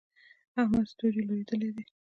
د احمد ستوری لوېدلی دی.